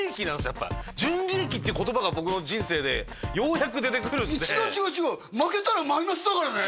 やっぱ「純利益」っていう言葉が僕の人生でようやく出てくるんで違う違う違う負けたらマイナスだからね